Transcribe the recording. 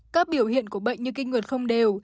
các biểu hiện của bệnh như kinh nguyệt không đều